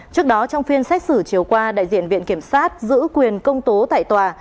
trước đó trong phiên xét xử chiều qua đại diện viện kiểm sát giữ quyền công tố tại tòa